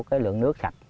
cái lượng nước sạch